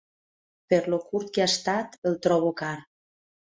Per lo curt que ha estat el trobo car